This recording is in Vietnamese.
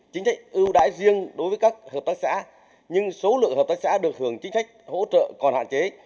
chính sách ưu đãi riêng đối với các hợp tác xã nhưng số lượng hợp tác xã được hưởng chính sách hỗ trợ còn hạn chế